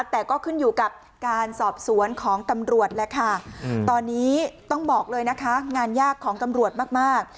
แต่ก็ขึ้นอยู่กับการสอบสวนของตำรวจแหละค่ะตอนนี้ต้องบอกเลยนะคะงานยากของตำรวจมาก